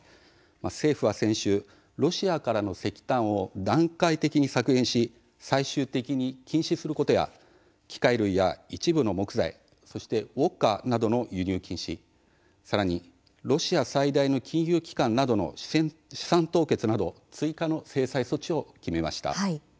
政府は先週、ロシアからの石炭を段階的に削減し最終的に禁止することや機械類や一部の木材そしてウオッカなどの輸入禁止さらにロシア最大の金融機関などの資産凍結など追加の制裁措置を決めました。